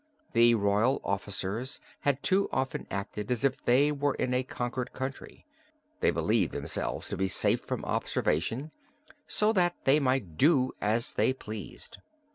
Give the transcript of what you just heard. The royal officers had too often acted as if they were in a conquered country; they believed themselves to be safe from observation, so that they might do as they pleased.